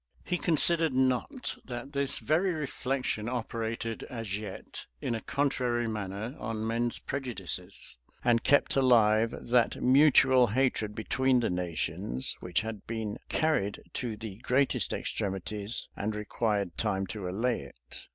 He considered not, that this very reflection operated, as yet, in a contrary manner on men's prejudices, and kept alive that mutual hatred between the nations, which had been carried to the greatest extremities, and required time to allay it.